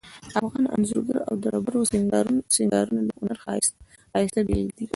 افغان انځورګری او ډبرو سنګارونه د هنر ښایسته بیلګې دي